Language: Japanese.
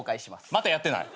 またやってない？